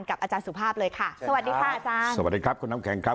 อาจารย์สุภาพเลยค่ะสวัสดีค่ะอาจารย์สวัสดีครับคุณน้ำแข็งครับ